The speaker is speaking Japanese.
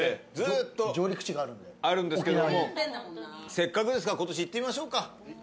せっかくですから今年行ってみましょうか。